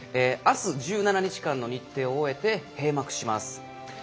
あす１７日間の日程を終えて閉幕します。